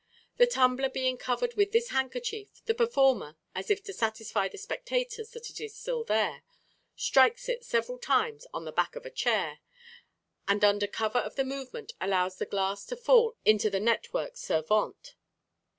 The tumbler being covered with this handkerchief the performer, as if to satisfy the spectators that it is still there, strikes it several times on the back of a chair, and under cover of the movement allows the glass to fall into the network servante.